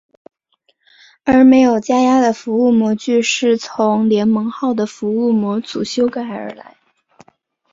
而没有加压的服务模组是从联盟号的服务模组修改而来。